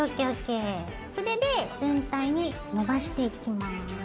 筆で全体にのばしていきます。